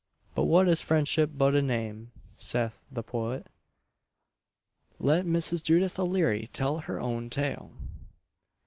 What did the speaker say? "But what is friendship but a name!" saith the poet. Let Mrs. Judith O'Leary tell her own tale.